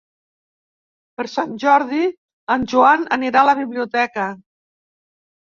Per Sant Jordi en Joan anirà a la biblioteca.